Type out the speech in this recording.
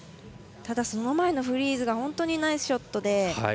ただ、その前のフリーズがナイスショットで。